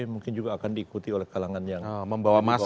mungkin juga akan diikuti oleh kalangan yang membawa masa